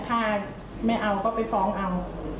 ถ้าไม่เอาก็ไปฟ้องเอา